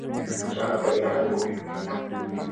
څنگه ټینگ به په خپل منځ کي عدالت کړو،